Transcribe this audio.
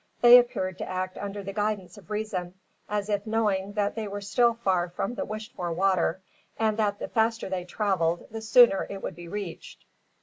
They appeared to act under the guidance of reason, as if knowing that they were still far from the wished for water, and that the faster they travelled the sooner it would be reached.